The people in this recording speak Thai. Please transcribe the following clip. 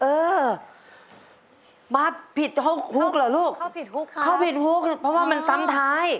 เออมาผิดห้องหุ้กเหรอลูกเข้าผิดหุ้กค่ะเพราะว่ามันซ้ำท้าย